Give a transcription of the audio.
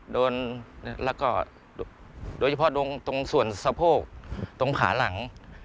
โดนแล้วก็โดยเฉพาะตรงส่วนสะโพกตรงขาหลัง